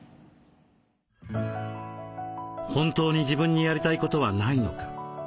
本当に自分にやりたいことはないのか？